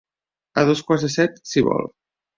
A dos quarts de set, si vol.